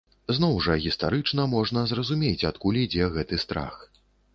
Зноў жа гістарычна можна зразумець, адкуль ідзе гэты страх.